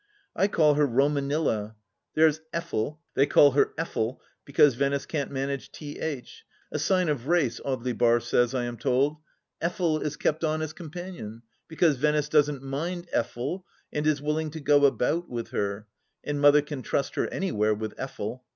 I call her Romanilla. There's Effel — they call her Effel because Venice can't manage " th ": a sign of race, Audely Bar says, I am told — Effel is kept on as companion, because Venice doesn't mind Effel and is willing to go about with her, and Mother can trust her anywhere with Effel.